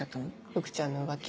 福ちゃんの浮気。